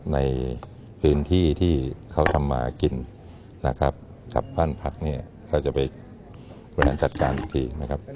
ในพื้นที่ที่เขาทำมากินนะครับครับบ้านพักเขาจะไปแม่นจัดการที